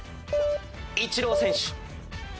イチロー選手。